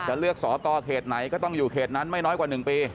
เลือกสอกรเขตไหนก็ต้องอยู่เขตนั้นไม่น้อยกว่า๑ปี